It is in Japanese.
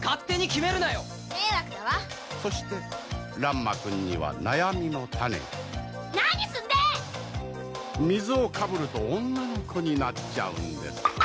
そして乱馬くんには悩みの種が何すんでぇっ！水をかぶると女の子になっちゃうんです